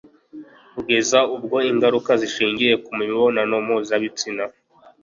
kugeza ubwo ingaruka zishingiye ku mibonano mpuzabitsina